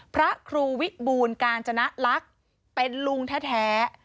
พระครูวิบูลกาญจนลักษณ์เป็นลุงแท้